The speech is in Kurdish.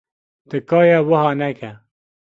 Tika ye wiha neke.